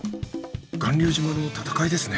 巌流島の戦いですね。